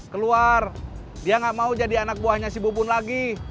keluar dia nggak mau jadi anak buahnya si bubun lagi